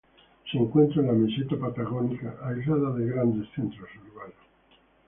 Se encuentra en la meseta patagónica, aislada de grandes centros urbanos.